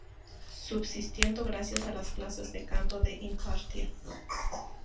Subsistiendo gracias a las clases de canto que impartía.